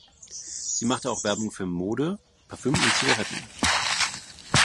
Sie machte auch Werbung für Mode, Parfüm und Zigaretten.